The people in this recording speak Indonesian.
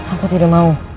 aku tidak mau